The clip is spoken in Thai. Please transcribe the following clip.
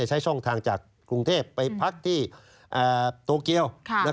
ใช้ช่องทางจากกรุงเทพไปพักที่โตเกียว